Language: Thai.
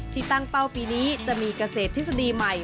ที่ตั้งเป้าปีนี้จะมีเกษตรทฤษฎีใหม่